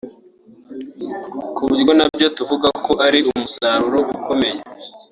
ku buryo na byo tuvuga ko ari umusaruro ukomeye